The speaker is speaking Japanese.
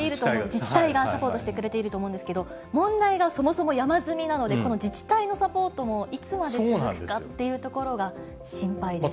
自治体がサポートしてくれると思うんですけれども、問題がそもそも山積みなので、この自治体のサポートもいつまで続くかっていうところが心配です。